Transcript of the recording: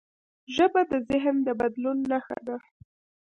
ژبه د ذهن د بدلون نښه ده.